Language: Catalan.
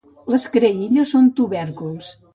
Les creïlles són tubèrculs.